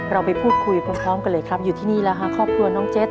เราไปพูดคุยพร้อมกันเลยครับอยู่ที่นี่แล้วฮะครอบครัวน้องเจ็ด